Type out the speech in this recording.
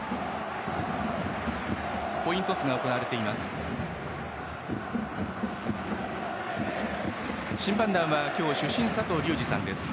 コイントスが行われています。